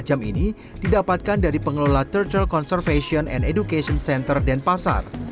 jam ini didapatkan dari pengelola turtle conservation and education center denpasar